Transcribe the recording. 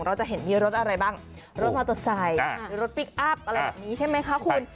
เราจะเห็นมีรถอะไรบ้างรถมอเตอร์ไซค์มีรถพลิกอัพอะไรแบบนี้ใช่ไหมคะคุณ